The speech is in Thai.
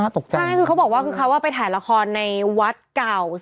ถ้าอองเข้าไปอย่างนี้ค่ะ